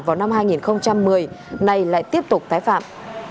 vào năm hai nghìn một mươi nay lại tiếp tục tái phạm